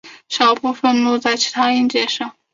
少部分落在其它音节上。